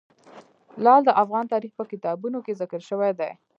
لعل د افغان تاریخ په کتابونو کې ذکر شوی دي.